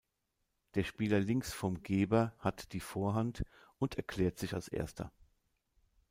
Der Spieler links vom Geber hat die Vorhand und erklärt sich als erster.